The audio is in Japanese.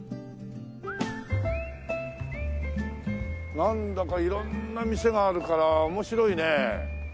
なんだか色んな店があるから面白いね。